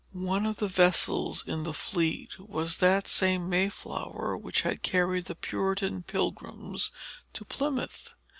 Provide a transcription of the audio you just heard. One of the vessels in the fleet was that same Mayflower which had carried the Puritan pilgrims to Plymouth.